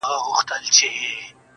• لکه کنگل تودو اوبو کي پروت يم.